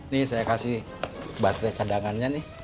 nih saya kasih baterai cadangannya nih